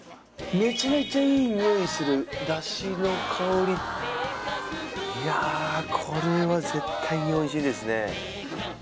めちゃめちゃいい匂いする出汁の香りいやこれは絶対においしいですね